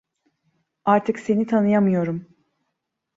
Artık seni tanıyamıyorum.